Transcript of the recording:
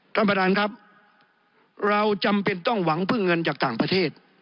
ท่านประธานครับเราจำเป็นต้องหวังพึ่งเงินจากต่างประเทศ